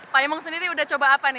pak imung sendiri udah coba apa nih